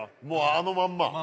もうあのまんま？